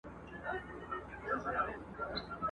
زمری خپلي بې عقلۍ لره حیران سو ..